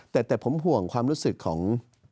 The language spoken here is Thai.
แต่ผมห่วงความรู้สึกของ